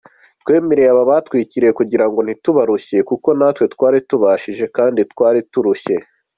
''Twemeye kugira ngo aba batwakiriye ntitubagore kuko twari tubaruhishije kandi natwe twari turushe.